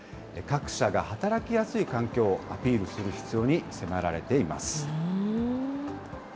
各社が働きやすい環境をアピールする必要に迫られています。